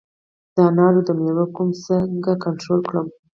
د انارو د میوې کرم څنګه کنټرول کړم؟